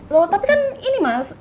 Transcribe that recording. loh tapi kan ini mas